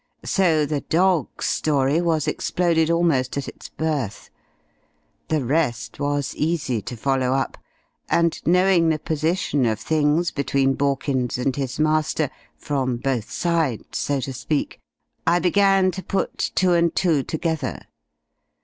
So the 'dog story' was exploded almost at its birth. The rest was easy to follow up, and knowing the position of things between Borkins and his master (from both sides, so to speak), I began to put two and two together.